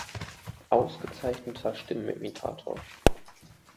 Ausgezeichneter Stimmenimitator.